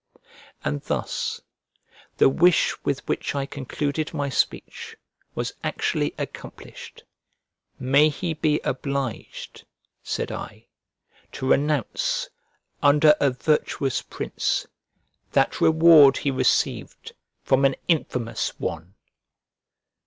And thus, the wish with which I concluded my speech, was actually accomplished: "May he be obliged," said I, "to renounce, under a virtuous prince, that reward he received from an infamous one!"